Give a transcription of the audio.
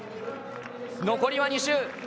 残りは２周。